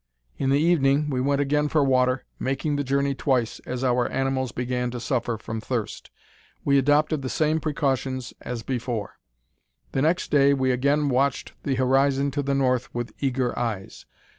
In the evening we went again for water, making the journey twice, as our animals began to suffer from thirst. We adopted the same precautions as before. Next day we again watched the horizon to the north with eager eyes.